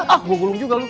ah gue gulung juga lo